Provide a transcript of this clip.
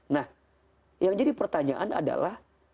nah yang jadi pertanyaan adalah